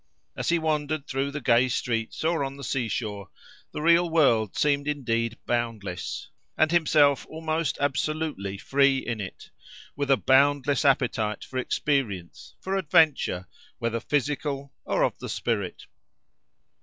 As he wandered through the gay streets or on the sea shore, the real world seemed indeed boundless, and himself almost absolutely free in it, with a boundless appetite for experience, for adventure, whether physical or of the spirit.